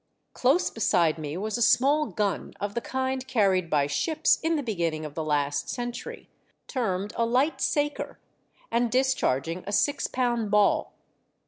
Close beside me was a small gun of the kind carried by ships in the beginning of the last century, termed a light saker, and dis charging a six pound ball.